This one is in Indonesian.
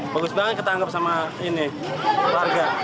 bagus banget ketangkep sama ini warga